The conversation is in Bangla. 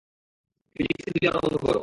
ফিজিক্সের বুলি আওড়ানো বন্ধ করো।